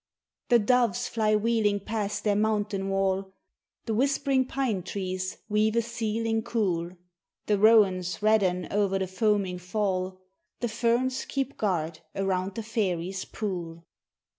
The doves fly wheeling past their mountain wall, The whispering pine trees weave a ceiling cool, The rowans redden o'er the foaming fall, The ferns keep guard around the fairies' pool.